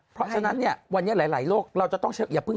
เพราะฉะนั้นวันนี้หลายโรคเราจะต้องใช้